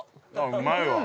うまいわ。